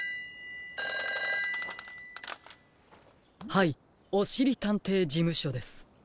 ☎はいおしりたんていじむしょです。